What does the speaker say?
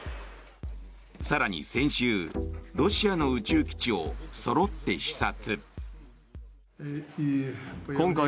更に先週、ロシアの宇宙基地をそろって視察。